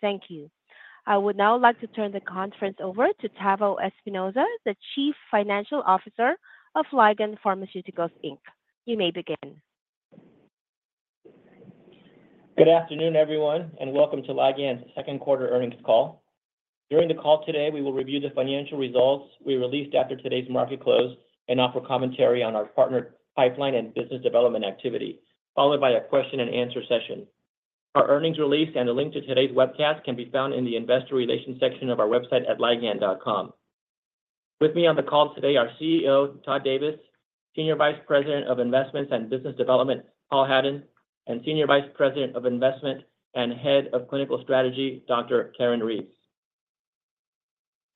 Thank you. I would now like to turn the conference over to Tavo Espinoza, the Chief Financial Officer of Ligand Pharmaceuticals, Inc. You may begin. Good afternoon, everyone, and welcome to Ligand's Second Quarter Earnings Call. During the call today, we will review the financial results we released after today's market close and offer commentary on our partner pipeline and business development activity, followed by a question-and-answer session. Our earnings release and a link to today's webcast can be found in the investor relations section of our website at ligand.com. With me on the call today are CEO Todd Davis, Senior Vice President of Investments and Business Development, Paul Hadden, and Senior Vice President of Investments and Head of Clinical Strategy, Dr. Karen Reeves.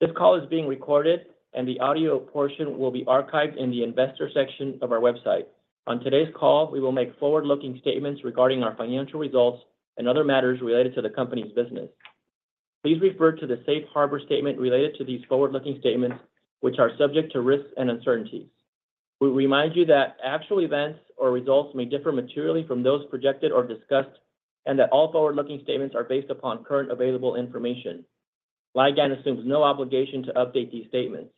This call is being recorded, and the audio portion will be archived in the investor section of our website. On today's call, we will make forward-looking statements regarding our financial results and other matters related to the company's business. Please refer to the safe harbor statement related to these forward-looking statements, which are subject to risks and uncertainties. We remind you that actual events or results may differ materially from those projected or discussed, and that all forward-looking statements are based upon current available information. Ligand assumes no obligation to update these statements.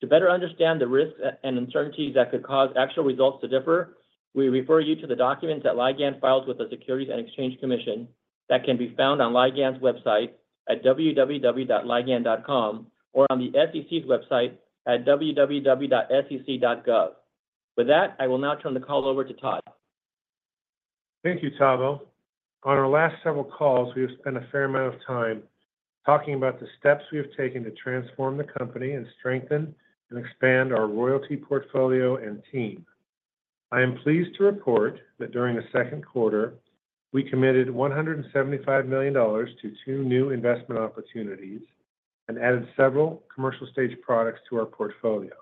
To better understand the risks and uncertainties that could cause actual results to differ, we refer you to the documents that Ligand files with the Securities and Exchange Commission that can be found on Ligand's website at www.ligand.com or on the SEC's website at www.sec.gov. With that, I will now turn the call over to Todd. Thank you, Tavo. On our last several calls, we have spent a fair amount of time talking about the steps we have taken to transform the company and strengthen and expand our royalty portfolio and team. I am pleased to report that during the second quarter, we committed $175 million to two new investment opportunities and added several commercial stage products to our portfolio.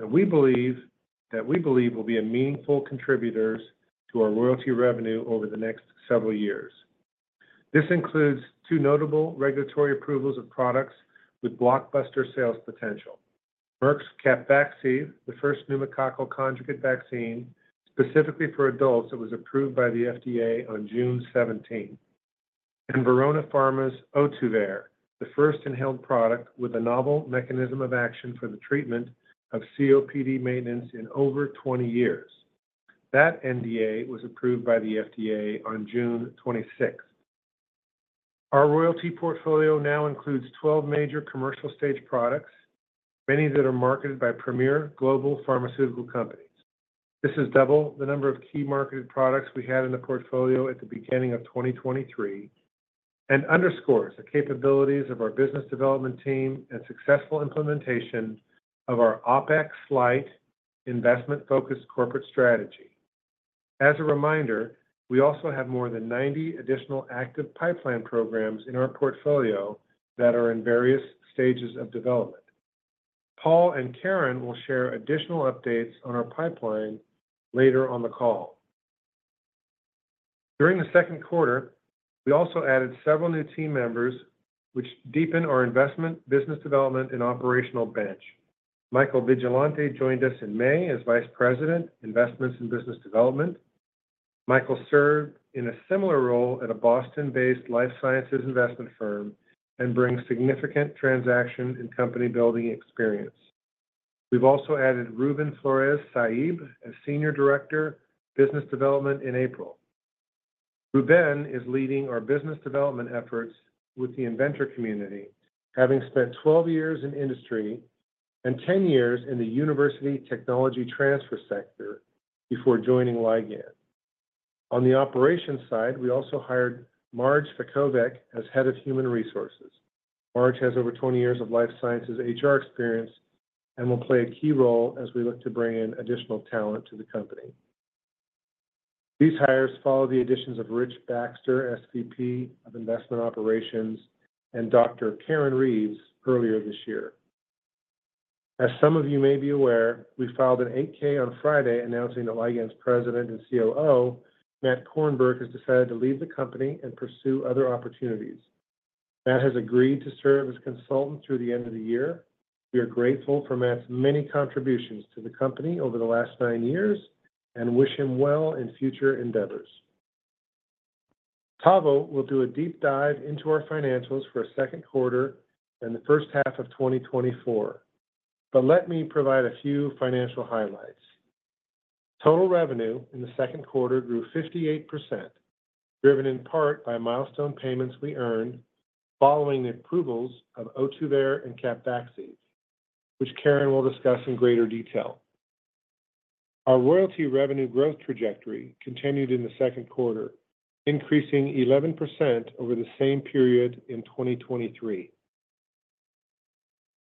We believe that we will be meaningful contributors to our royalty revenue over the next several years. This includes two notable regulatory approvals of products with blockbuster sales potential: Merck's Capvaxive, the first pneumococcal conjugate vaccine specifically for adults that was approved by the FDA on June 17, and Verona Pharma's Ohtuvayre, the first inhaled product with a novel mechanism of action for the treatment of COPD maintenance in over 20 years. That NDA was approved by the FDA on June 26. Our royalty portfolio now includes 12 major commercial stage products, many that are marketed by premier global pharmaceutical companies. This is double the number of key marketed products we had in the portfolio at the beginning of 2023 and underscores the capabilities of our business development team and successful implementation of our OpEx light investment-focused corporate strategy. As a reminder, we also have more than 90 additional active pipeline programs in our portfolio that are in various stages of development. Paul and Karen will share additional updates on our pipeline later on the call. During the second quarter, we also added several new team members, which deepened our investment, business development, and operational bench. Michael Vigilante joined us in May as Vice President, Investments and Business Development. Michael served in a similar role at a Boston-based life sciences investment firm and brings significant transaction and company-building experience. We've also added Ruben Flores-Saaib as Senior Director, Business Development in April. Ruben is leading our business development efforts with the Inventor community, having spent 12 years in industry and 10 years in the university technology transfer sector before joining Ligand. On the operations side, we also hired Marj Fackovec as Head of Human Resources. Marj has over 20 years of life sciences HR experience and will play a key role as we look to bring in additional talent to the company. These hires follow the additions of Rich Baxter, SVP of Investment Operations, and Dr. Karen Reeves earlier this year. As some of you may be aware, we filed an 8-K on Friday announcing that Ligand's President and COO, Matt Korenberg, has decided to leave the company and pursue other opportunities. Matt has agreed to serve as consultant through the end of the year. We are grateful for Matt's many contributions to the company over the last nine years and wish him well in future endeavors. Tavo will do a deep dive into our financials for the second quarter and the first half of 2024. Let me provide a few financial highlights. Total revenue in the second quarter grew 58%, driven in part by milestone payments we earned following the approvals of Ohtuvayre and Capvaxive, which Karen will discuss in greater detail. Our royalty revenue growth trajectory continued in the second quarter, increasing 11% over the same period in 2023.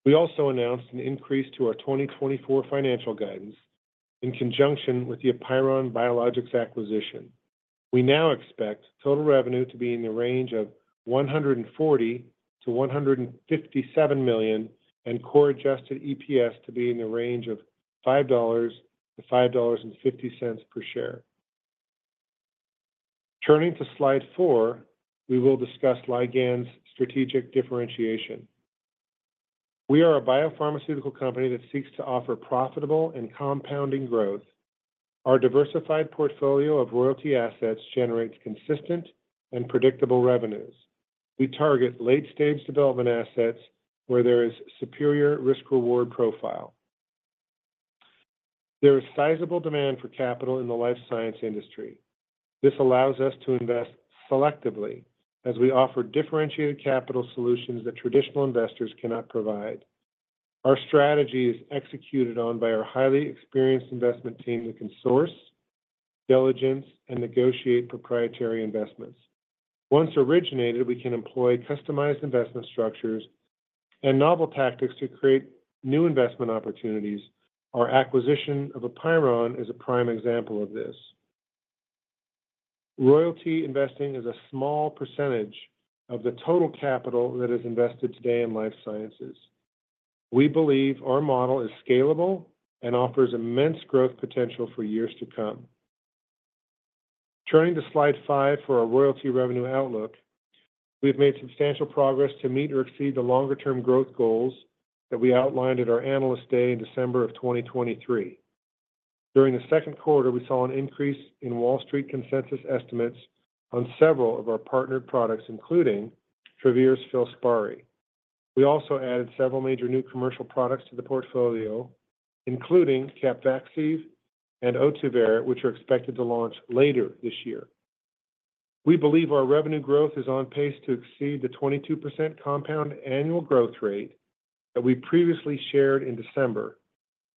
We also announced an increase to our 2024 financial guidance in conjunction with the Apeiron Biologics acquisition. We now expect total revenue to be in the range of $140 million-$157 million and core Adjusted EPS to be in the range of $5-$5.50 per share. Turning to slide four, we will discuss Ligand's strategic differentiation. We are a biopharmaceutical company that seeks to offer profitable and compounding growth. Our diversified portfolio of royalty assets generates consistent and predictable revenues. We target late-stage development assets where there is a superior risk-reward profile. There is sizable demand for capital in the life science industry. This allows us to invest selectively as we offer differentiated capital solutions that traditional investors cannot provide. Our strategy is executed on by our highly experienced investment team that can source, diligence, and negotiate proprietary investments. Once originated, we can employ customized investment structures and novel tactics to create new investment opportunities. Our acquisition of Apeiron is a prime example of this. Royalty investing is a small percentage of the total capital that is invested today in life sciences. We believe our model is scalable and offers immense growth potential for years to come. Turning to slide 5 for our royalty revenue outlook, we've made substantial progress to meet or exceed the longer-term growth goals that we outlined at our analyst day in December of 2023. During the second quarter, we saw an increase in Wall Street consensus estimates on several of our partner products, including Travere's Filspari. We also added several major new commercial products to the portfolio, including Capvaxive and Ohtuvayre, which are expected to launch later this year. We believe our revenue growth is on pace to exceed the 22% compound annual growth rate that we previously shared in December.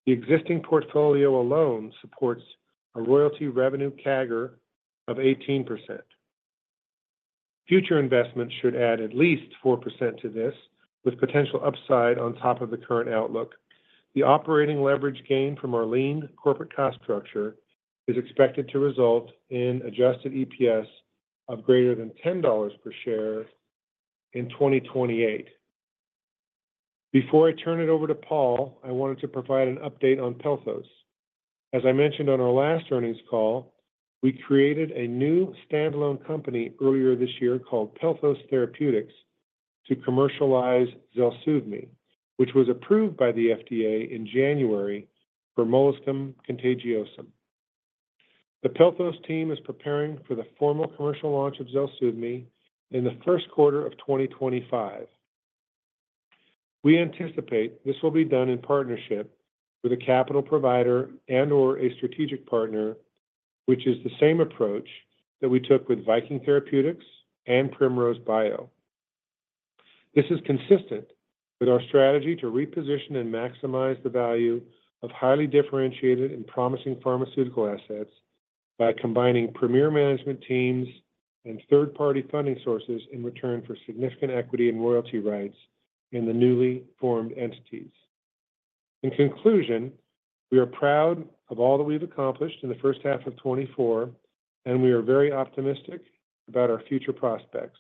The existing portfolio alone supports a royalty revenue CAGR of 18%. Future investments should add at least 4% to this, with potential upside on top of the current outlook. The operating leverage gain from our lean corporate cost structure is expected to result in Adjusted EPS of greater than $10 per share in 2028. Before I turn it over to Paul, I wanted to provide an update on Pelthos. As I mentioned on our last earnings call, we created a new standalone company earlier this year called Pelthos Therapeutics to commercialize ZELSUVMI, which was approved by the FDA in January for molluscum contagiosum. The Pelthos team is preparing for the formal commercial launch of ZELSUVMI in the first quarter of 2025. We anticipate this will be done in partnership with a capital provider and/or a strategic partner, which is the same approach that we took with Viking Therapeutics and Primrose Bio. This is consistent with our strategy to reposition and maximize the value of highly differentiated and promising pharmaceutical assets by combining premier management teams and third-party funding sources in return for significant equity and royalty rights in the newly formed entities. In conclusion, we are proud of all that we've accomplished in the first half of 2024, and we are very optimistic about our future prospects.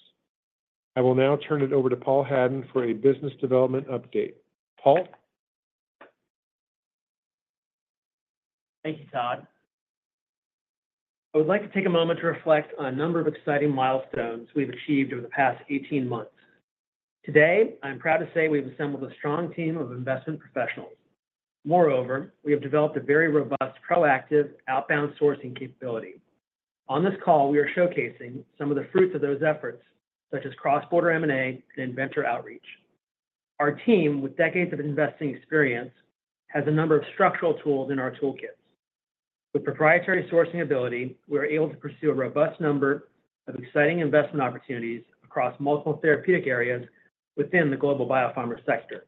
I will now turn it over to Paul Hadden for a business development update. Paul? Thank you, Todd. I would like to take a moment to reflect on a number of exciting milestones we've achieved over the past 18 months. Today, I'm proud to say we've assembled a strong team of investment professionals. Moreover, we have developed a very robust, proactive outbound sourcing capability. On this call, we are showcasing some of the fruits of those efforts, such as cross-border M&A and inventor outreach. Our team, with decades of investing experience, has a number of structural tools in our toolkits. With proprietary sourcing ability, we are able to pursue a robust number of exciting investment opportunities across multiple therapeutic areas within the global biopharma sector.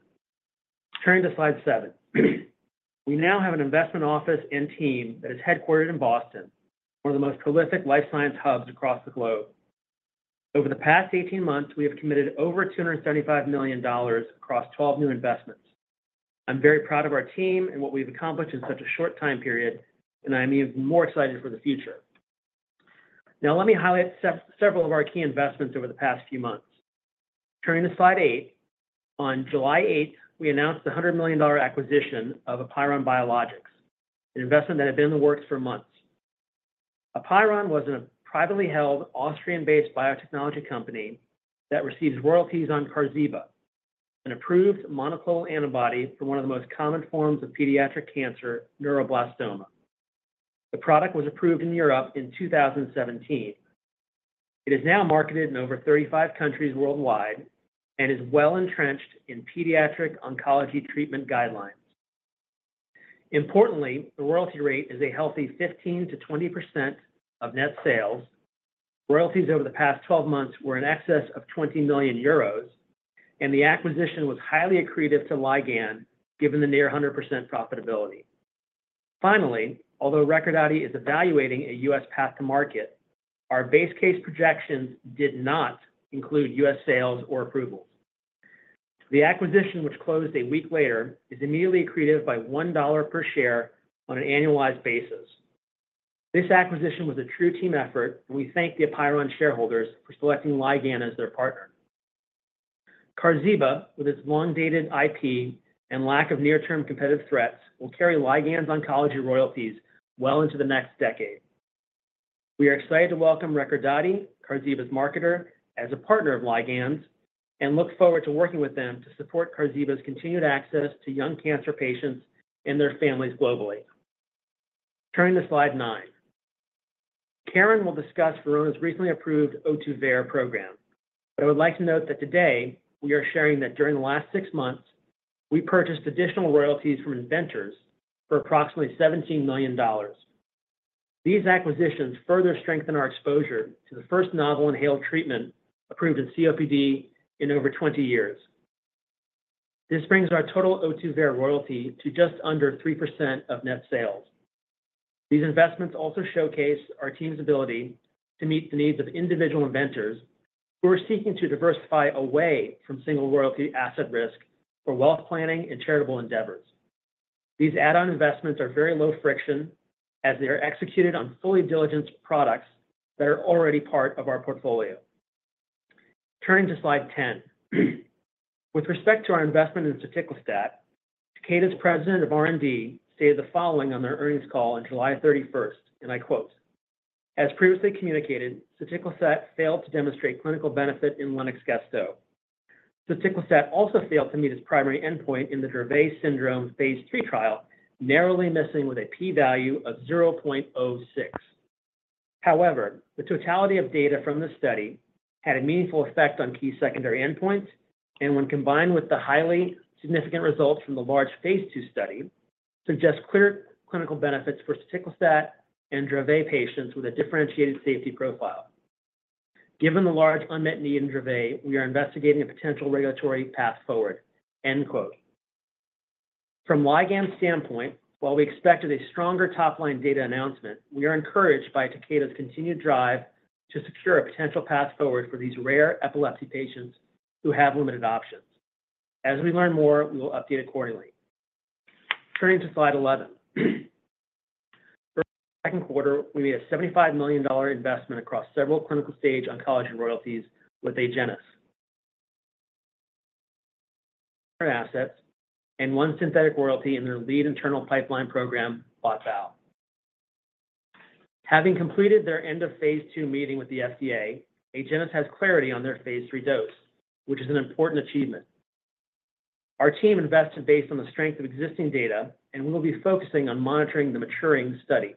Turning to slide seven, we now have an investment office and team that is headquartered in Boston, one of the most prolific life science hubs across the globe. Over the past 18 months, we have committed over $275 million across 12 new investments. I'm very proud of our team and what we've accomplished in such a short time period, and I'm even more excited for the future. Now, let me highlight several of our key investments over the past few months. Turning to slide eight, on July 8, we announced the $100 million acquisition of Apeiron Biologics, an investment that had been in the works for months. Apeiron was a privately held Austrian-based biotechnology company that receives royalties on Qarziba, an approved monoclonal antibody for one of the most common forms of pediatric cancer, neuroblastoma. The product was approved in Europe in 2017. It is now marketed in over 35 countries worldwide and is well entrenched in pediatric oncology treatment guidelines. Importantly, the royalty rate is a healthy 15%-20% of net sales. Royalties over the past 12 months were in excess of 20 million euros, and the acquisition was highly accretive to Ligand given the near 100% profitability. Finally, although Recordati is evaluating a U.S. path to market, our base case projections did not include U.S. sales or approvals. The acquisition, which closed a week later, is immediately accretive by $1 per share on an annualized basis. This acquisition was a true team effort, and we thank the Apeiron shareholders for selecting Ligand as their partner. Qarziba, with its long-dated IP and lack of near-term competitive threats, will carry Ligand's oncology royalties well into the next decade. We are excited to welcome Recordati, Qarziba's marketer, as a partner of Ligand's and look forward to working with them to support Qarziba's continued access to young cancer patients and their families globally. Turning to slide nine, Karen will discuss Verona's recently approved Ohtuvayre program. I would like to note that today we are sharing that during the last six months, we purchased additional royalties from inventors for approximately $17 million. These acquisitions further strengthen our exposure to the first novel inhaled treatment approved in COPD in over 20 years. This brings our total Ohtuvayre royalty to just under 3% of net sales. These investments also showcase our team's ability to meet the needs of individual inventors who are seeking to diversify away from single royalty asset risk for wealth planning and charitable endeavors. These add-on investments are very low friction as they are executed on fully diligent products that are already part of our portfolio. Turning to slide 10, with respect to our investment in soticlestat, Takeda's president of R&D stated the following on their earnings call on July 31, and I quote, "As previously communicated, soticlestat failed to demonstrate clinical benefit in Lennox-Gastaut. soticlestat also failed to meet its primary endpoint in the Dravet syndrome phase III trial, narrowly missing with a p-value of 0.06. However, the totality of data from the study had a meaningful effect on key secondary endpoints, and when combined with the highly significant results from the large phase II study, suggests clear clinical benefits for soticlestat and Dravet patients with a differentiated safety profile. Given the large unmet need in Dravet, we are investigating a potential regulatory path forward." From Ligand's standpoint, while we expected a stronger top-line data announcement, we are encouraged by Takeda's continued drive to secure a potential path forward for these rare epilepsy patients who have limited options. As we learn more, we will update accordingly. Turning to slide 11, for the second quarter, we made a $75 million investment across several clinical-stage oncology royalties with Agenus assets and one synthetic royalty in their lead internal pipeline program, BOT/BAL. Having completed their end-of-phase II meeting with the FDA, Agenus has clarity on their phase III dose, which is an important achievement. Our team invested based on the strength of existing data, and we will be focusing on monitoring the maturing study.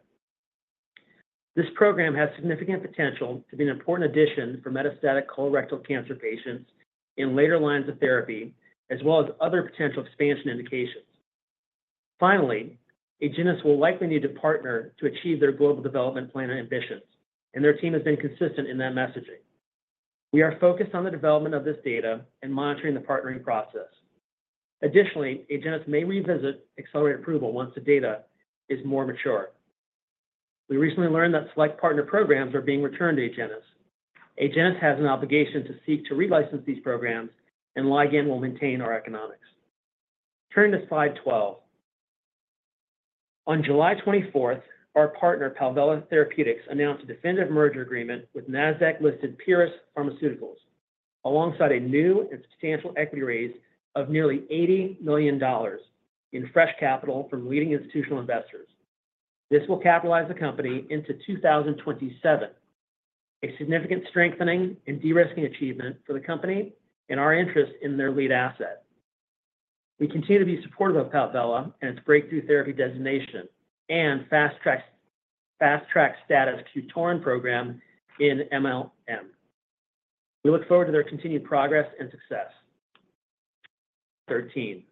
This program has significant potential to be an important addition for metastatic colorectal cancer patients in later lines of therapy, as well as other potential expansion indications. Finally, Agenus will likely need to partner to achieve their global development plan ambitions, and their team has been consistent in that messaging. We are focused on the development of this data and monitoring the partnering process. Additionally, Agenus may revisit Accelerated Approval once the data is more mature. We recently learned that select partner programs are being returned to Agenus. Agenus has an obligation to seek to relicense these programs, and Ligand will maintain our economics. Turning to slide 12, on July 24, our partner Palvella Therapeutics announced a definitive merger agreement with Nasdaq-listed Pieris Pharmaceuticals alongside a new and substantial equity raise of nearly $80 million in fresh capital from leading institutional investors. This will capitalize the company into 2027, a significant strengthening and de-risking achievement for the company and our interest in their lead asset. We continue to be supportive of Palvella and its breakthrough therapy designation and fast track status to QTORIN program in MLM. We look forward to their continued progress and success. 13,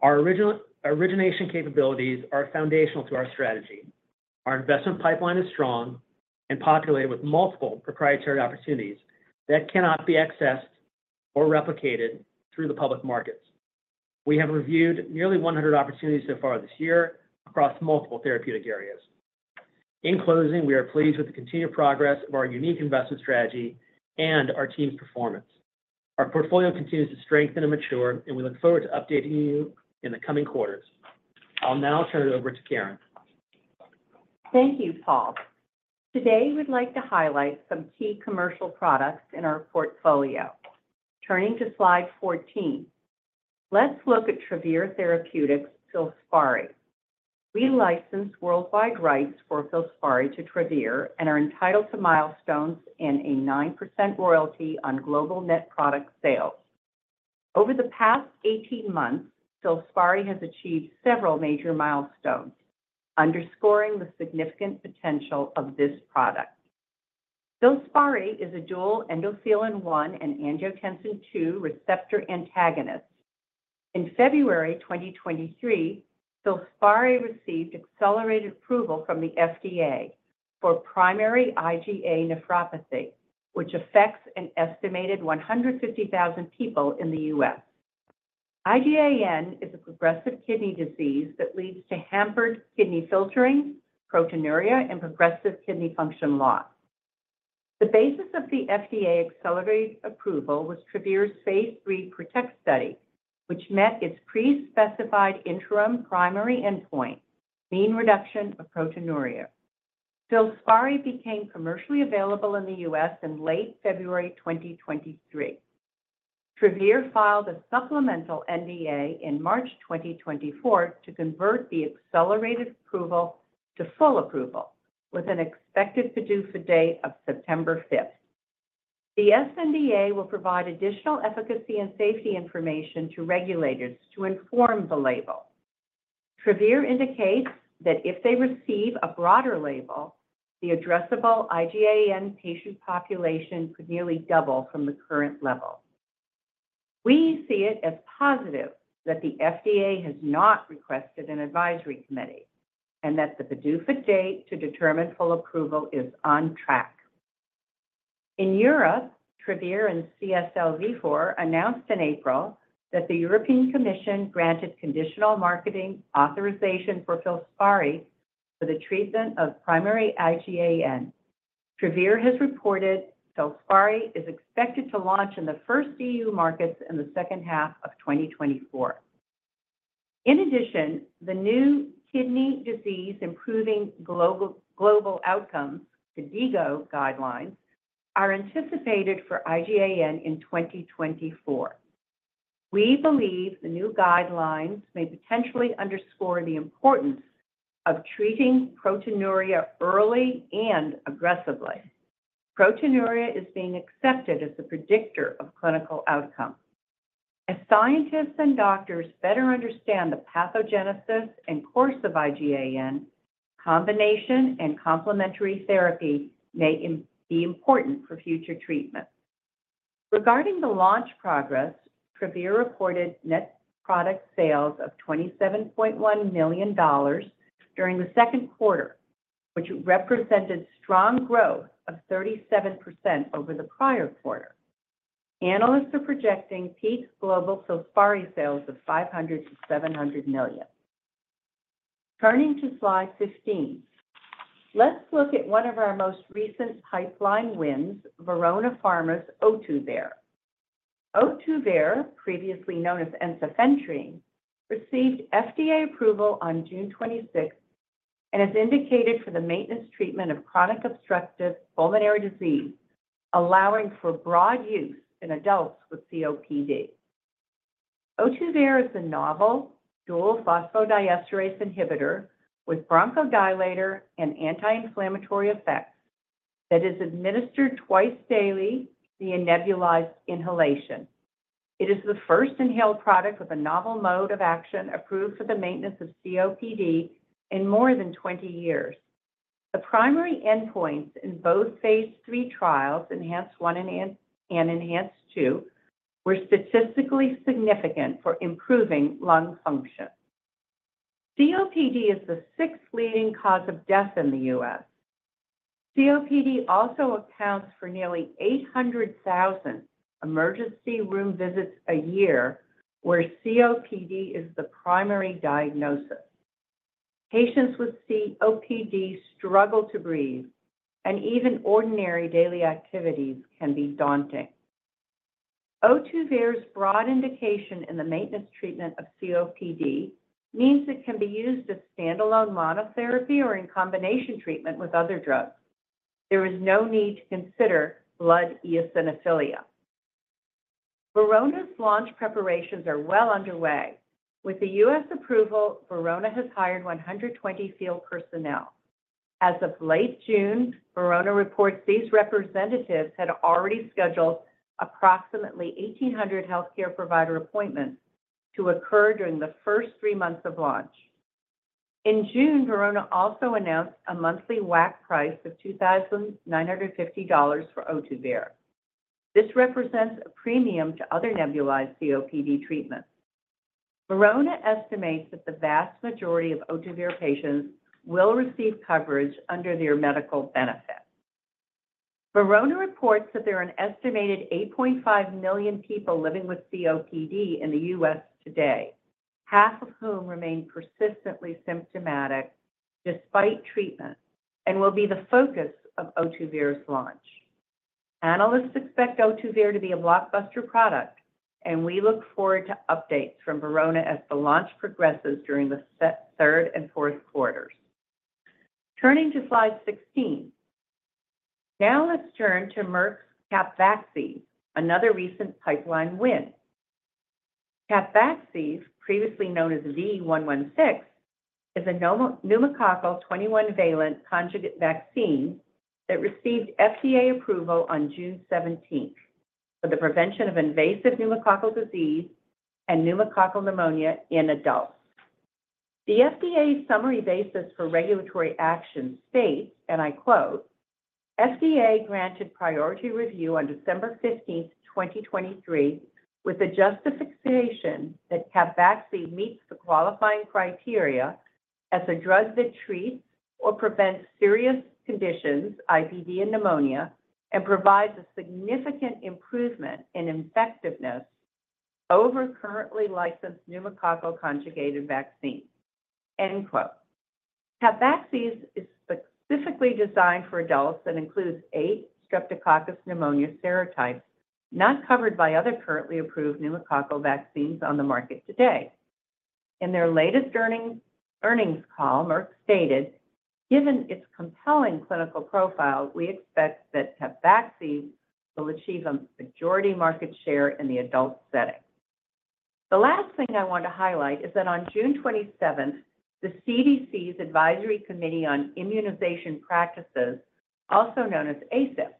our origination capabilities are foundational to our strategy. Our investment pipeline is strong and populated with multiple proprietary opportunities that cannot be accessed or replicated through the public markets. We have reviewed nearly 100 opportunities so far this year across multiple therapeutic areas. In closing, we are pleased with the continued progress of our unique investment strategy and our team's performance. Our portfolio continues to strengthen and mature, and we look forward to updating you in the coming quarters. I'll now turn it over to Karen. Thank you, Paul. Today, we'd like to highlight some key commercial products in our portfolio. Turning to slide 14, let's look at Travere Therapeutics Filspari. We license worldwide rights for Filspari to Travere and are entitled to milestones and a 9% royalty on global net product sales. Over the past 18 months, Filspari has achieved several major milestones, underscoring the significant potential of this product. Filspari is a dual endothelin-1 and angiotensin-2 receptor antagonist. In February 2023, Filspari received accelerated approval from the FDA for primary IgA nephropathy, which affects an estimated 150,000 people in the U.S. IgAN is a progressive kidney disease that leads to hampered kidney filtering, proteinuria, and progressive kidney function loss. The basis of the FDA accelerated approval was Travere's phase III PROTECT study, which met its pre-specified interim primary endpoint, mean reduction of proteinuria. Filspari became commercially available in the U.S. in late February 2023. Travere filed a supplemental NDA in March 2024 to convert the accelerated approval to full approval, with an expected PDUFA date of September 5. The SNDA will provide additional efficacy and safety information to regulators to inform the label. Travere indicates that if they receive a broader label, the addressable IgAN patient population could nearly double from the current level. We see it as positive that the FDA has not requested an advisory committee and that the PDUFA date to determine full approval is on track. In Europe, Travere and CSL Vifor announced in April that the European Commission granted conditional marketing authorization for Filspari for the treatment of primary IgAN. Travere has reported Filspari is expected to launch in the first EU markets in the second half of 2024. In addition, the new Kidney Disease: Improving Global Outcomes (KDIGO) guidelines are anticipated for IgAN in 2024. We believe the new guidelines may potentially underscore the importance of treating proteinuria early and aggressively. Proteinuria is being accepted as the predictor of clinical outcome. As scientists and doctors better understand the pathogenesis and course of IgAN, combination and complementary therapy may be important for future treatments. Regarding the launch progress, Travere reported net product sales of $27.1 million during the second quarter, which represented strong growth of 37% over the prior quarter. Analysts are projecting peak global Filspari sales of $500 million-$700 million. Turning to slide 15, let's look at one of our most recent pipeline wins, Verona Pharma's Ohtuvayre. Ohtuvayre, previously known as ensifentrine, received FDA approval on June 26 and is indicated for the maintenance treatment of chronic obstructive pulmonary disease, allowing for broad use in adults with COPD. Ohtuvayre is a novel dual phosphodiesterase inhibitor with bronchodilator and anti-inflammatory effects that is administered twice daily, via nebulized inhalation. It is the first inhaled product with a novel mode of action approved for the maintenance of COPD in more than 20 years. The primary endpoints in both phase III trials, ENHANCE-1 and ENHANCE-2, were statistically significant for improving lung function. COPD is the sixth leading cause of death in the U.S. COPD also accounts for nearly 800,000 emergency room visits a year where COPD is the primary diagnosis. Patients with COPD struggle to breathe, and even ordinary daily activities can be daunting. Ohtuvayre's broad indication in the maintenance treatment of COPD means it can be used as standalone monotherapy or in combination treatment with other drugs. There is no need to consider blood eosinophilia. Verona Pharma's launch preparations are well underway. With the U.S. approval, Verona has hired 120 field personnel. As of late June, Verona reports these representatives had already scheduled approximately 1,800 healthcare provider appointments to occur during the first three months of launch. In June, Verona also announced a monthly WAC price of $2,950 for Ohtuvayre. This represents a premium to other nebulized COPD treatments. Verona estimates that the vast majority of Ohtuvayre patients will receive coverage under their medical benefits. Verona reports that there are an estimated 8.5 million people living with COPD in the U.S. today, half of whom remain persistently symptomatic despite treatment and will be the focus of Ohtuvayre's launch. Analysts expect Ohtuvayre to be a blockbuster product, and we look forward to updates from Verona as the launch progresses during the third and fourth quarters. Turning to slide 16, now let's turn to Merck's Capvaxive, another recent pipeline win. Capvaxive, previously known as V116, is a pneumococcal 21-valent conjugate vaccine that received FDA approval on June 17 for the prevention of invasive pneumococcal disease and pneumococcal pneumonia in adults. The FDA summary basis for regulatory action states, and I quote, "FDA granted priority review on December 15, 2023, with the justification that Capvaxive meets the qualifying criteria as a drug that treats or prevents serious conditions, IPD and pneumonia, and provides a significant improvement in effectiveness over currently licensed pneumococcal conjugated vaccines." End quote. Capvaxive is specifically designed for adults and includes eight Streptococcus pneumoniae serotypes not covered by other currently approved pneumococcal vaccines on the market today. In their latest earnings call, Merck stated, "Given its compelling clinical profile, we expect that Capvaxive will achieve a majority market share in the adult setting." The last thing I want to highlight is that on June 27, the CDC's Advisory Committee on Immunization Practices, also known as ACIP,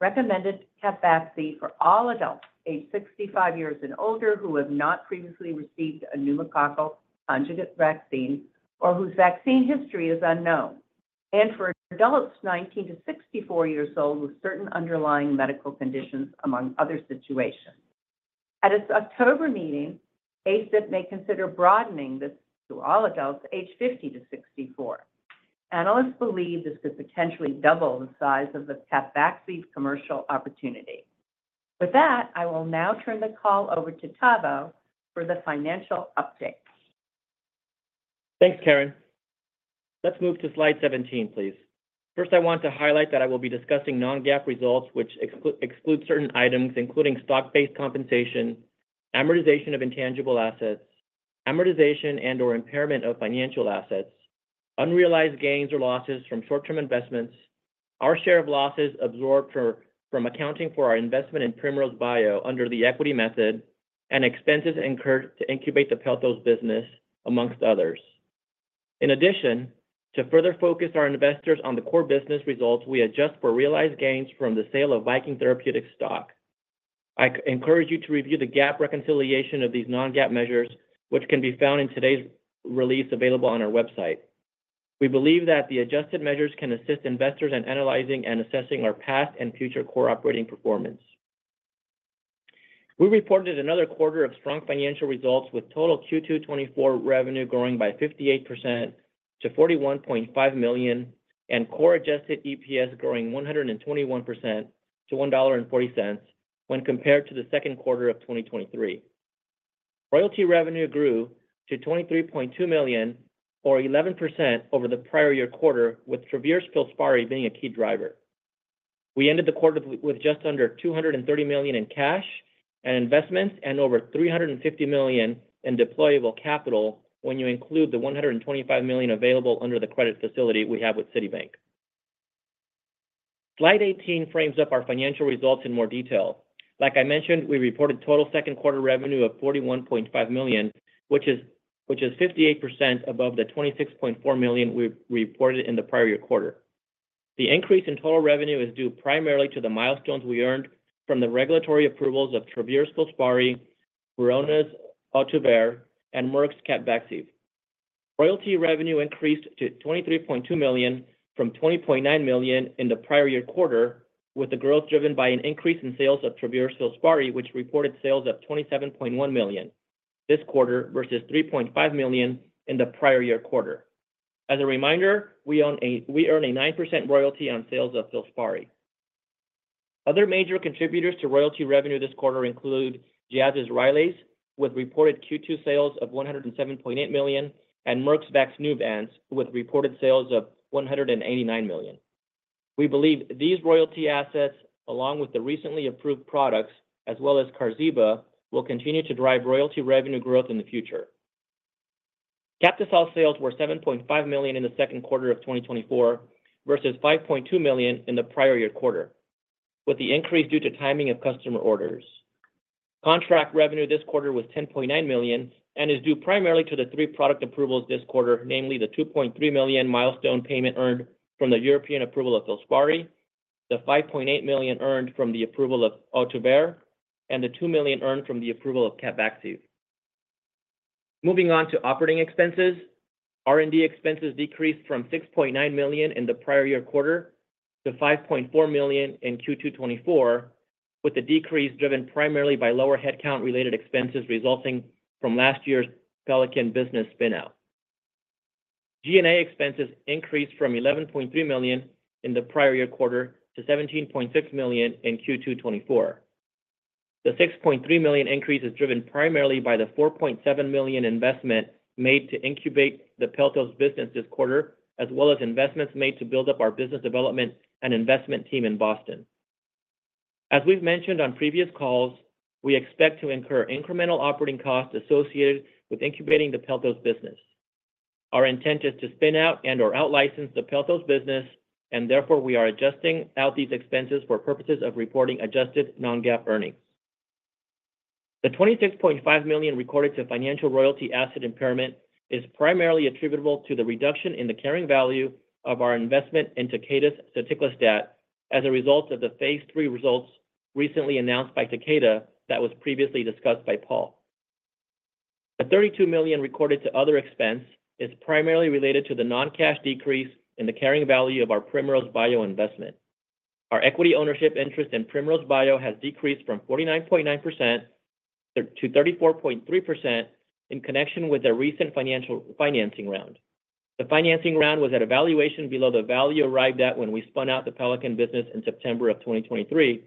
recommended Capvaxive for all adults age 65 years and older who have not previously received a pneumococcal conjugate vaccine or whose vaccine history is unknown, and for adults 19 to 64 years old with certain underlying medical conditions among other situations. At its October meeting, ACIP may consider broadening this to all adults age 50 to 64. Analysts believe this could potentially double the size of the Capvaxive commercial opportunity. With that, I will now turn the call over to Tavo for the financial update. Thanks, Karen. Let's move to slide 17, please. First, I want to highlight that I will be discussing non-GAAP results, which exclude certain items, including stock-based compensation, amortization of intangible assets, amortization and/or impairment of financial assets, unrealized gains or losses from short-term investments, our share of losses absorbed from accounting for our investment in Primrose Bio under the equity method, and expenses incurred to incubate the Pelthos business, amongst others. In addition, to further focus our investors on the core business results, we adjust for realized gains from the sale of Viking Therapeutics stock. I encourage you to review the GAAP reconciliation of these non-GAAP measures, which can be found in today's release available on our website. We believe that the adjusted measures can assist investors in analyzing and assessing our past and future core operating performance. We reported another quarter of strong financial results with total Q2 2024 revenue growing by 58% to $41.5 million and core Adjusted EPS growing 121% to $1.40 when compared to the second quarter of 2023. Royalty revenue grew to $23.2 million, or 11% over the prior year quarter, with Travere Filspari being a key driver. We ended the quarter with just under $230 million in cash and investments and over $350 million in deployable capital when you include the $125 million available under the credit facility we have with Citibank. Slide 18 frames up our financial results in more detail. Like I mentioned, we reported total second quarter revenue of $41.5 million, which is 58% above the $26.4 million we reported in the prior year quarter. The increase in total revenue is due primarily to the milestones we earned from the regulatory approvals of Travere's Filspari, Verona's Ohtuvayre, and Merck's Capvaxive. Royalty revenue increased to $23.2 million from $20.9 million in the prior year quarter, with the growth driven by an increase in sales of Travere's Filspari, which reported sales of $27.1 million this quarter versus $3.5 million in the prior year quarter. As a reminder, we earn a 9% royalty on sales of Filspari. Other major contributors to royalty revenue this quarter include Jazz's Rylaze, with reported Q2 sales of $107.8 million, and Merck's Vaxneuvance, with reported sales of $189 million. We believe these royalty assets, along with the recently approved products, as well as Qarziba, will continue to drive royalty revenue growth in the future. Captisol sales were $7.5 million in the second quarter of 2024 versus $5.2 million in the prior year quarter, with the increase due to timing of customer orders. Contract revenue this quarter was $10.9 million and is due primarily to the three product approvals this quarter, namely the $2.3 million milestone payment earned from the European approval of Filspari, the $5.8 million earned from the approval of Ohtuvayre, and the $2 million earned from the approval of Capvaxive. Moving on to operating expenses, R&D expenses decreased from $6.9 million in the prior year quarter to $5.4 million in Q2 2024, with the decrease driven primarily by lower headcount-related expenses resulting from last year's Pelican business spinout. G&A expenses increased from $11.3 million in the prior year quarter to $17.6 million in Q2 2024. The $6.3 million increase is driven primarily by the $4.7 million investment made to incubate the Pelthos business this quarter, as well as investments made to build up our business development and investment team in Boston. As we've mentioned on previous calls, we expect to incur incremental operating costs associated with incubating the Pelthos business. Our intent is to spin out and/or outlicense the Pelthos business, and therefore we are adjusting out these expenses for purposes of reporting adjusted non-GAAP earnings. The $26.5 million recorded to financial royalty asset impairment is primarily attributable to the reduction in the carrying value of our investment in Takeda's soticlestat as a result of the phase III results recently announced by Takeda that was previously discussed by Paul. The $32 million recorded to other expense is primarily related to the non-cash decrease in the carrying value of our Primrose Bio investment. Our equity ownership interest in Primrose Bio has decreased from 49.9%-34.3% in connection with a recent financial financing round. The financing round was at a valuation below the value arrived at when we spun out the Pelican business in September of 2023,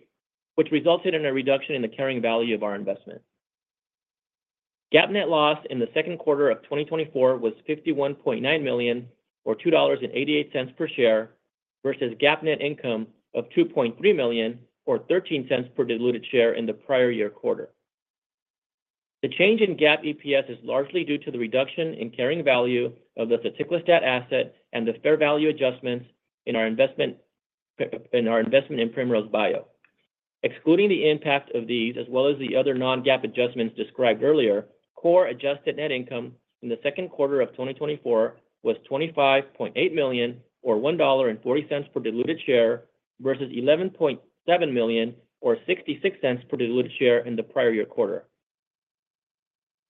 which resulted in a reduction in the carrying value of our investment. GAAP net loss in the second quarter of 2024 was $51.9 million, or $2.88 per share, versus GAAP net income of $2.3 million, or $0.13 per diluted share in the prior year quarter. The change in GAAP EPS is largely due to the reduction in carrying value of the soticlestat asset and the fair value adjustments in our investment in Primrose Bio. Excluding the impact of these, as well as the other non-GAAP adjustments described earlier, core adjusted net income in the second quarter of 2024 was $25.8 million, or $1.40 per diluted share, versus $11.7 million, or $0.66 per diluted share in the prior year quarter.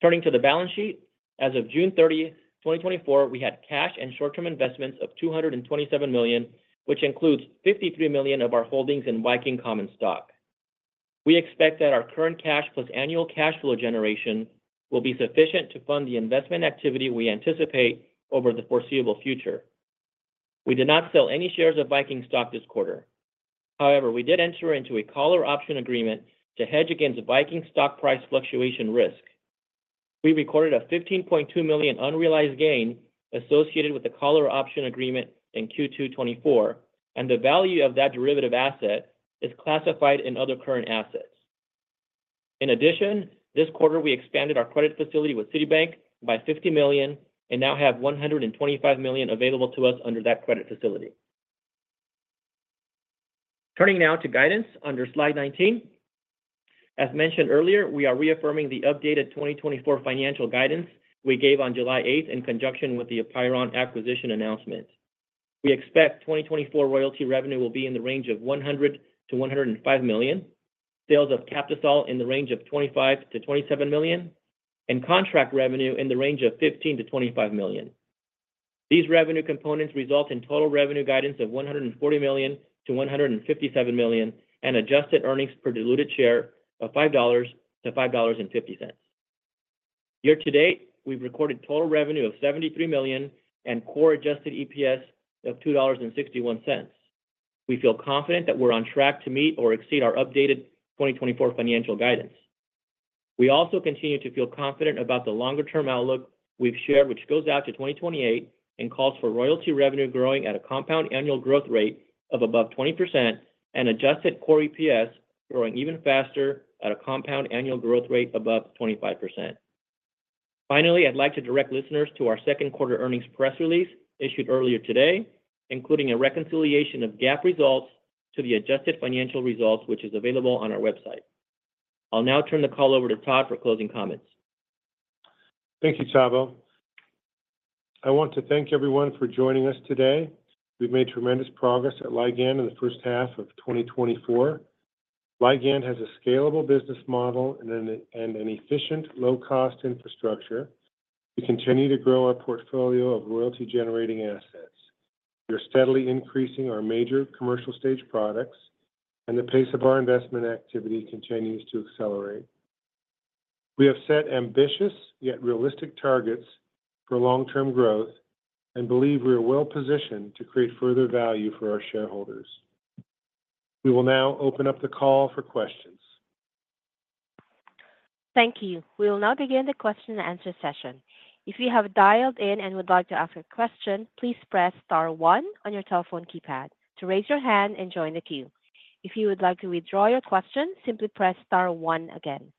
Turning to the balance sheet, as of June 30, 2024, we had cash and short-term investments of $227 million, which includes $53 million of our holdings in Viking Common Stock. We expect that our current cash plus annual cash flow generation will be sufficient to fund the investment activity we anticipate over the foreseeable future. We did not sell any shares of Viking Stock this quarter. However, we did enter into a collar option agreement to hedge against Viking Stock price fluctuation risk. We recorded a $15.2 million unrealized gain associated with the call option agreement in Q2 2024, and the value of that derivative asset is classified in other current assets. In addition, this quarter we expanded our credit facility with Citibank by $50 million and now have $125 million available to us under that credit facility. Turning now to guidance under slide 19. As mentioned earlier, we are reaffirming the updated 2024 financial guidance we gave on July 8 in conjunction with the Apeiron acquisition announcement. We expect 2024 royalty revenue will be in the range of $100 million-$105 million, sales of Captisol in the range of $25 million-$27 million, and contract revenue in the range of $15 million-$25 million. These revenue components result in total revenue guidance of $140 million-$157 million and adjusted earnings per diluted share of $5.00-$5.50. Year to date, we've recorded total revenue of $73 million and core Adjusted EPS of $2.61. We feel confident that we're on track to meet or exceed our updated 2024 financial guidance. We also continue to feel confident about the longer-term outlook we've shared, which goes out to 2028 and calls for royalty revenue growing at a compound annual growth rate of above 20% and Adjusted core EPS growing even faster at a compound annual growth rate above 25%. Finally, I'd like to direct listeners to our second quarter earnings press release issued earlier today, including a reconciliation of GAAP results to the adjusted financial results, which is available on our website. I'll now turn the call over to Todd for closing comments. Thank you, Tavo. I want to thank everyone for joining us today. We've made tremendous progress at Ligand in the first half of 2024. Ligand has a scalable business model and an efficient, low-cost infrastructure. We continue to grow our portfolio of royalty-generating assets. We are steadily increasing our major commercial-stage products, and the pace of our investment activity continues to accelerate. We have set ambitious yet realistic targets for long-term growth and believe we are well-positioned to create further value for our shareholders. We will now open up the call for questions. Thank you. We will now begin the question-and-answer session. If you have dialed in and would like to ask a question, please press star one on your telephone keypad to raise your hand and join the queue. If you would like to withdraw your question, simply press star one again.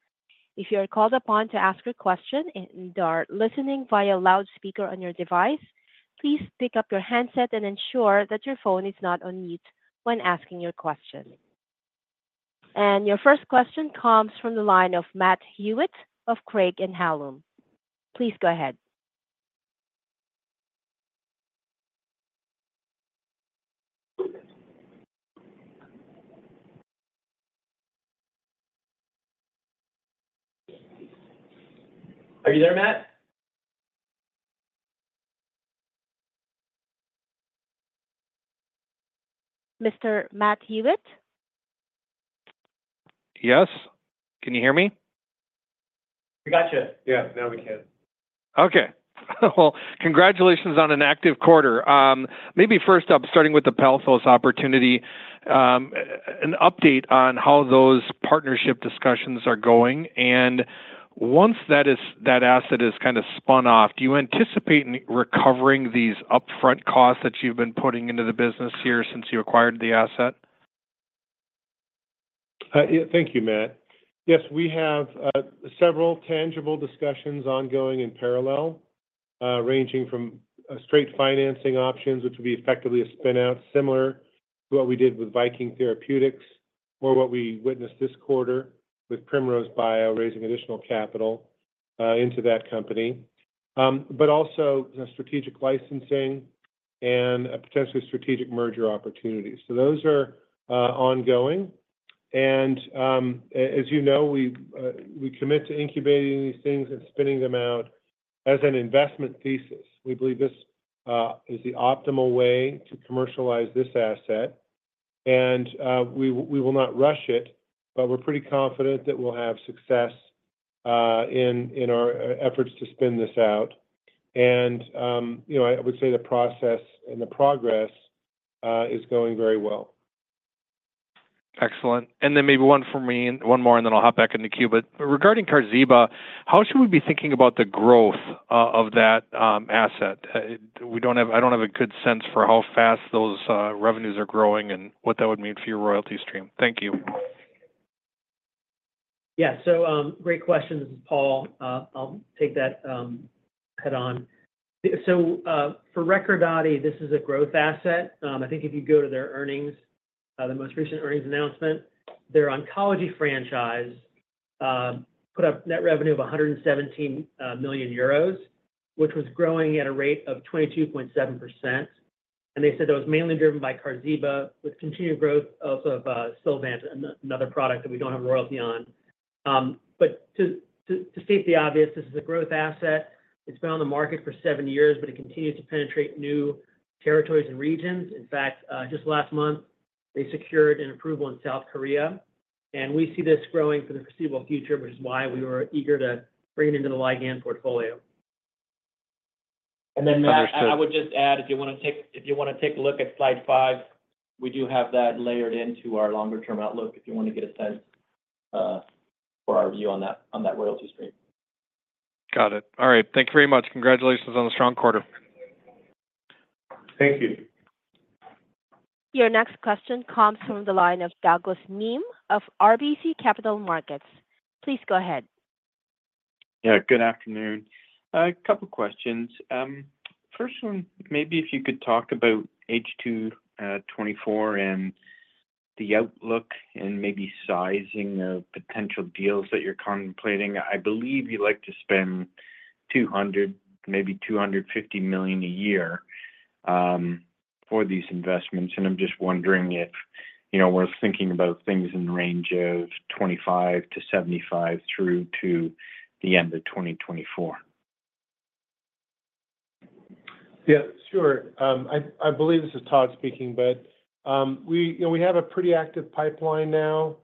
If you are called upon to ask your question and are listening via loudspeaker on your device, please pick up your handset and ensure that your phone is not on mute when asking your question. Your first question comes from the line of Matt Hewitt of Craig-Hallum. Please go ahead. Are you there, Matt? Mr. Matt Hewitt? Yes. Can you hear me? We got you. Yeah. Now we can. Okay. Well, congratulations on an active quarter. Maybe first up, starting with the Pelthos opportunity, an update on how those partnership discussions are going. And once that asset is kind of spun off, do you anticipate recovering these upfront costs that you've been putting into the business here since you acquired the asset? Thank you, Matt. Yes, we have several tangible discussions ongoing in parallel, ranging from straight financing options, which would be effectively a spinout, similar to what we did with Viking Therapeutics, or what we witnessed this quarter with Primrose Bio raising additional capital into that company, but also strategic licensing and potentially strategic merger opportunities. So those are ongoing. And as you know, we commit to incubating these things and spinning them out as an investment thesis. We believe this is the optimal way to commercialize this asset. And we will not rush it, but we're pretty confident that we'll have success in our efforts to spin this out. And I would say the process and the progress is going very well. Excellent. And then maybe one for me and one more, and then I'll hop back in the queue. But regarding Qarziba, how should we be thinking about the growth of that asset? I don't have a good sense for how fast those revenues are growing and what that would mean for your royalty stream. Thank you. Yeah. So great question. This is Paul. I'll take that head on. So for Recordati, this is a growth asset. I think if you go to their earnings, the most recent earnings announcement, their oncology franchise put up net revenue of 117 million euros, which was growing at a rate of 22.7%. And they said that was mainly driven by Qarziba, with continued growth of Sylvant, another product that we don't have a royalty on. But to state the obvious, this is a growth asset. It's been on the market for 7 years, but it continues to penetrate new territories and regions. In fact, just last month, they secured an approval in South Korea. And we see this growing for the foreseeable future, which is why we were eager to bring it into the Ligand portfolio. Then I would just add, if you want to take a look at slide five, we do have that layered into our longer-term outlook if you want to get a sense for our view on that royalty stream. Got it. All right. Thank you very much. Congratulations on a strong quarter. Thank you. Your next question comes from the line of Douglas Miehm of RBC Capital Markets. Please go ahead. Yeah. Good afternoon. A couple of questions. First one, maybe if you could talk about H2 2024 and the outlook and maybe sizing of potential deals that you're contemplating. I believe you'd like to spend $200 million-$250 million a year for these investments. And I'm just wondering if we're thinking about things in the range of $25 million-$75 million through to the end of 2024. Yeah. Sure. I believe this is Todd speaking, but we have a pretty active pipeline now.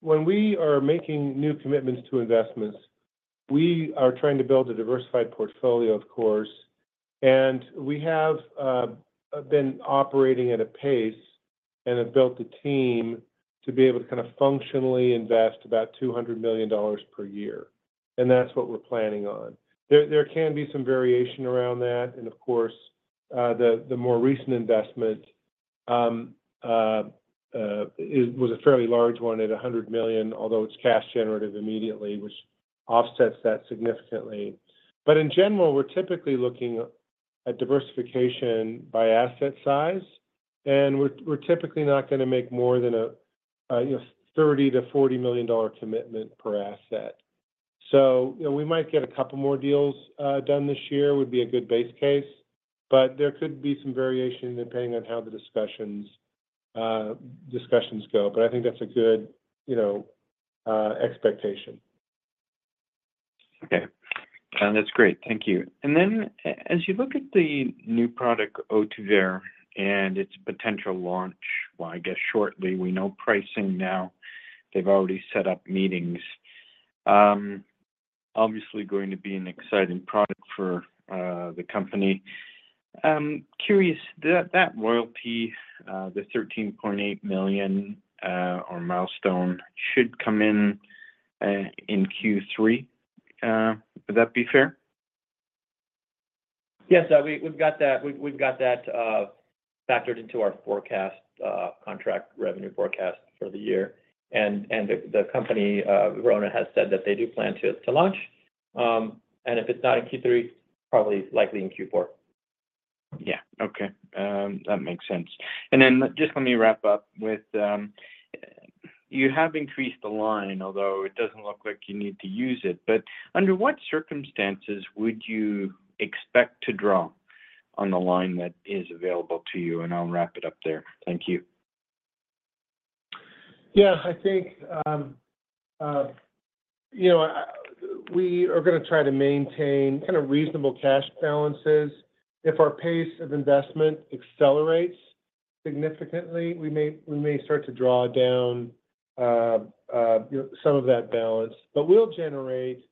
When we are making new commitments to investments, we are trying to build a diversified portfolio, of course. We have been operating at a pace and have built a team to be able to kind of functionally invest about $200 million per year. And that's what we're planning on. There can be some variation around that. And of course, the more recent investment was a fairly large one at $100 million, although it's cash generative immediately, which offsets that significantly. But in general, we're typically looking at diversification by asset size. And we're typically not going to make more than a $30 million-$40 million commitment per asset. So we might get a couple more deals done this year would be a good base case. There could be some variation depending on how the discussions go. I think that's a good expectation. Okay. That's great. Thank you. And then as you look at the new product Ohtuvayre and its potential launch, well, I guess shortly, we know pricing now. They've already set up meetings. Obviously, going to be an exciting product for the company. Curious, that royalty, the $13.8 million or milestone, should come in in Q3. Would that be fair? Yes. We've got that factored into our contract revenue forecast for the year. And the company, Verona, has said that they do plan to launch. And if it's not in Q3, probably likely in Q4. Yeah. Okay. That makes sense. And then just let me wrap up with you have increased the line, although it doesn't look like you need to use it. But under what circumstances would you expect to draw on the line that is available to you? And I'll wrap it up there. Thank you. Yeah. I think we are going to try to maintain kind of reasonable cash balances. If our pace of investment accelerates significantly, we may start to draw down some of that balance. But we'll generate.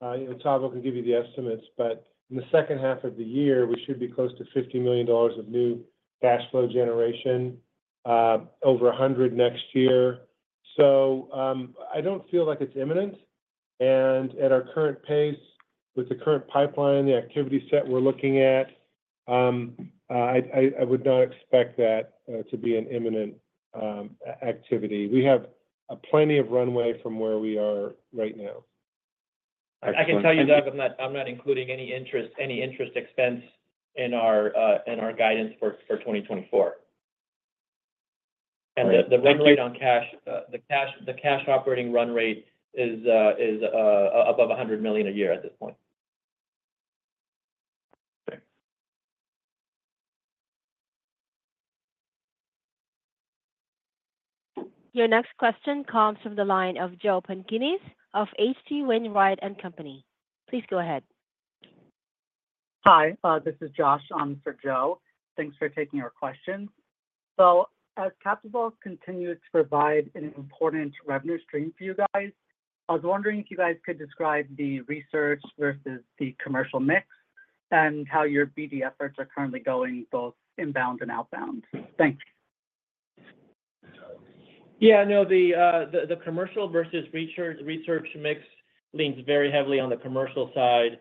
Tavo can give you the estimates. But in the second half of the year, we should be close to $50 million of new cash flow generation, over $100 million next year. So I don't feel like it's imminent. And at our current pace, with the current pipeline, the activity set we're looking at, I would not expect that to be an imminent activity. We have plenty of runway from where we are right now. I can tell you, Doug, I'm not including any interest expense in our guidance for 2024. The run rate on cash, the cash operating run rate is above $100 million a year at this point. Okay. Your next question comes from the line of Joe Pantginis of H.C. Wainwright & Co. Please go ahead. Hi. This is Josh. I'm for Joe. Thanks for taking our questions. As Captisol continues to provide an important revenue stream for you guys, I was wondering if you guys could describe the research versus the commercial mix and how your BD efforts are currently going both inbound and outbound. Thanks. Yeah. No, the commercial versus research mix leans very heavily on the commercial side.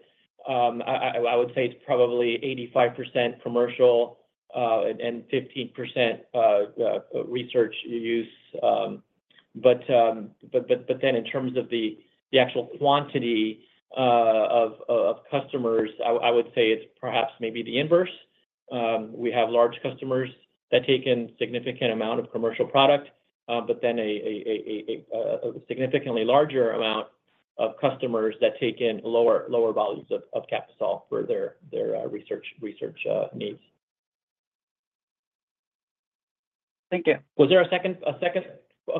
I would say it's probably 85% commercial and 15% research use. But then in terms of the actual quantity of customers, I would say it's perhaps maybe the inverse. We have large customers that take in a significant amount of commercial product, but then a significantly larger amount of customers that take in lower volumes of Captisol for their research needs. Thank you. Was there a second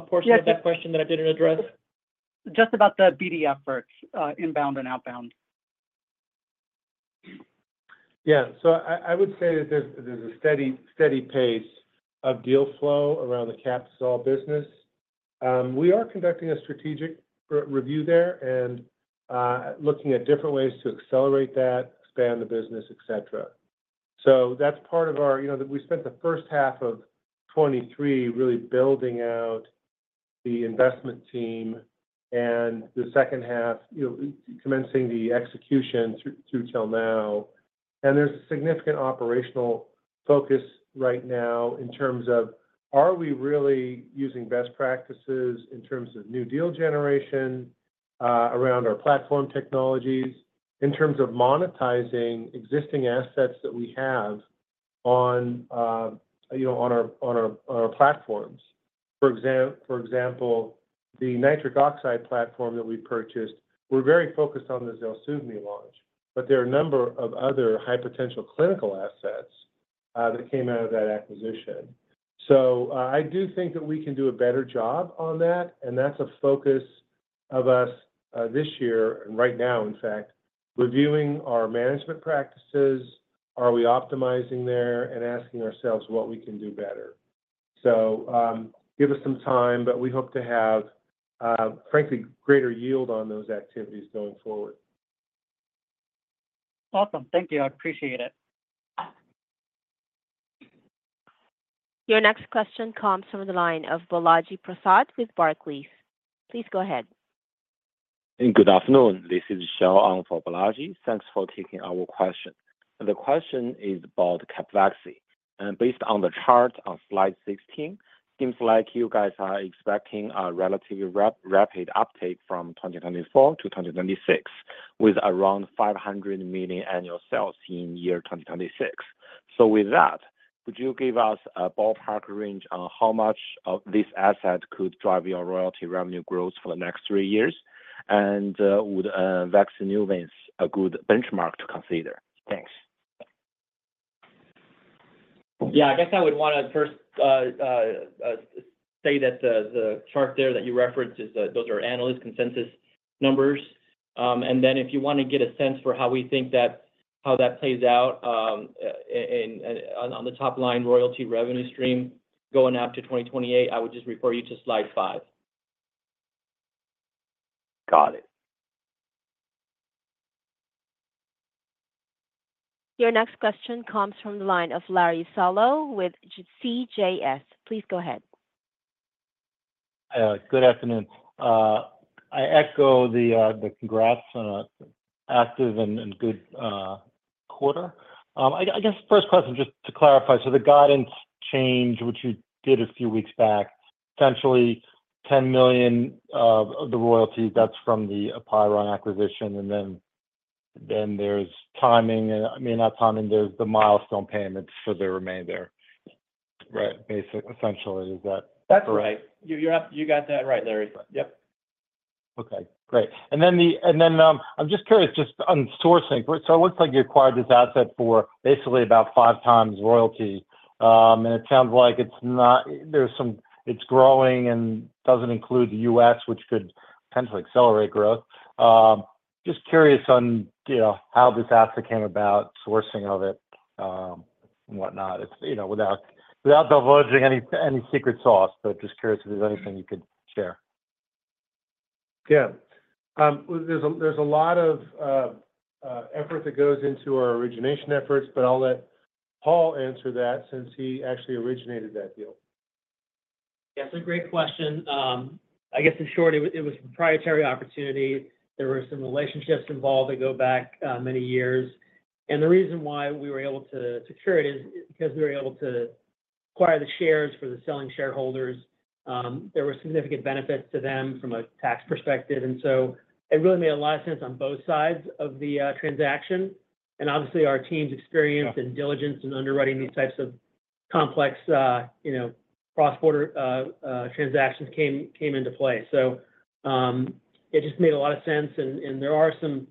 portion of that question that I didn't address? Just about the BD efforts, inbound and outbound. Yeah. So I would say that there's a steady pace of deal flow around the Captisol business. We are conducting a strategic review there and looking at different ways to accelerate that, expand the business, etc. So that's part of our we spent the first half of 2023 really building out the investment team and the second half commencing the execution through till now. And there's a significant operational focus right now in terms of are we really using best practices in terms of new deal generation around our platform technologies, in terms of monetizing existing assets that we have on our platforms. For example, the nitric oxide platform that we purchased, we're very focused on the ZELSUVMI launch. But there are a number of other high-potential clinical assets that came out of that acquisition. So I do think that we can do a better job on that. That's a focus of us this year and right now, in fact, reviewing our management practices. Are we optimizing there and asking ourselves what we can do better? Give us some time, but we hope to have, frankly, greater yield on those activities going forward. Awesome. Thank you. I appreciate it. Your next question comes from the line of Balaji Prasad with Barclays. Please go ahead. Good afternoon. This is Xiao Yang for Balaji. Thanks for taking our question. The question is about Capvaxive. Based on the chart on slide 16, it seems like you guys are expecting a relatively rapid uptake from 2024-2026 with around $500 million annual sales in year 2026. So with that, could you give us a ballpark range on how much of this asset could drive your royalty revenue growth for the next three years? And would Vaxneuvance be a good benchmark to consider? Thanks. Yeah. I guess I would want to first say that the chart there that you referenced, those are analyst consensus numbers. And then if you want to get a sense for how we think that plays out on the top line royalty revenue stream going out to 2028, I would just refer you to slide five. Got it. Your next question comes from the line of Larry Solow with CJS. Please go ahead. Good afternoon. I echo the congrats on an active and good quarter. I guess the first question, just to clarify, so the guidance change, which you did a few weeks back, essentially $10 million of the royalty, that's from the Apeiron acquisition. And then there's timing, and I mean, not timing, there's the milestone payments for the remainder, right? Essentially, is that correct? That's right. You got that right, Larry. Yep. Okay. Great. And then I'm just curious, just on sourcing. So it looks like you acquired this asset for basically about 5x royalty. And it sounds like it's not, it's growing and doesn't include the U.S., which could potentially accelerate growth. Just curious on how this asset came about, sourcing of it and whatnot, without divulging any secret sauce. But just curious if there's anything you could share. Yeah. There's a lot of effort that goes into our origination efforts, but I'll let Paul answer that since he actually originated that deal. Yeah. It's a great question. I guess in short, it was a proprietary opportunity. There were some relationships involved that go back many years. And the reason why we were able to secure it is because we were able to acquire the shares for the selling shareholders. There were significant benefits to them from a tax perspective. And so it really made a lot of sense on both sides of the transaction. And obviously, our team's experience and diligence in underwriting these types of complex cross-border transactions came into play. So it just made a lot of sense. And there are some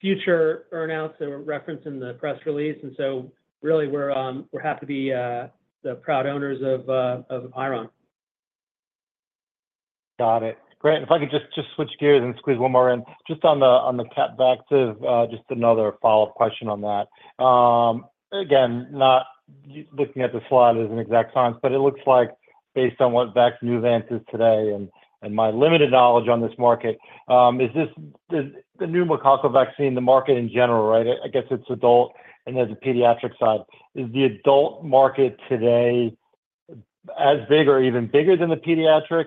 future earnouts that were referenced in the press release. And so really, we're happy to be the proud owners of Apeiron. Got it. Great. If I could just switch gears and squeeze one more in, just on the Capvaxive, just another follow-up question on that. Again, not looking at the slide as an exact science, but it looks like based on what Vaxneuvance is today and my limited knowledge on this market, is this the pneumococcal vaccine, the market in general, right? I guess it's adult and there's a pediatric side. Is the adult market today as big or even bigger than the pediatric?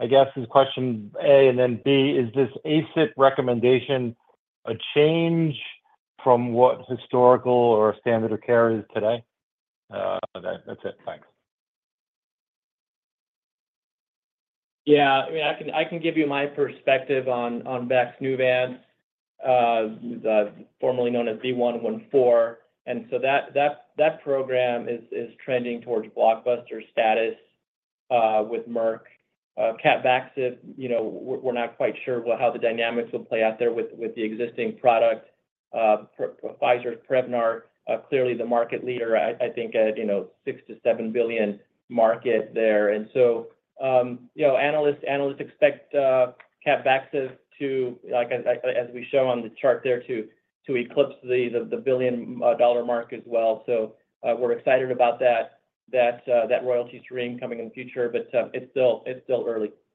I guess is question A and then B, is this ACIP recommendation a change from what historical or standard of care is today? That's it. Thanks. Yeah. I mean, I can give you my perspective on Vaxneuvance, formerly known as V114. And so that program is trending towards blockbuster status with Merck. Capvaxive, we're not quite sure how the dynamics will play out there with the existing product. Pfizer's Prevnar clearly the market leader, I think, at $6 billion-$7 billion market there. And so analysts expect Capvaxive to, as we show on the chart there, to eclipse the billion-dollar mark as well. So we're excited about that royalty stream coming in the future, but it's still early.